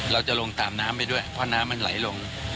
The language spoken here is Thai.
เราจะลงตามน้ำไปด้วยเพราะน้ำมันไหลลง